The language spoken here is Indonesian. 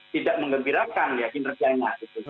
tidak mengembirakan kinerjanya